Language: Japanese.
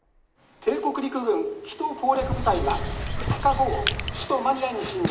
「帝国陸軍比島攻略部隊は２日午後首都マニラに侵入